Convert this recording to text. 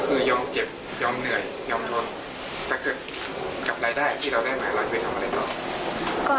ก็คือยอมเจ็บยอมเหนื่อยยอมล้นแต่คือกับรายได้ที่เราได้ไหมเราจะไปทำอะไรต่อ